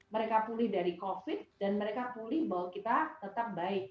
mereka pulih dari covid dan mereka pulih bahwa kita tetap baik